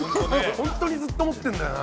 本当にずっと持ってるんだよな。